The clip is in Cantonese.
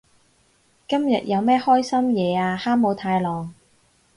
今日有咩開心嘢啊哈姆太郎？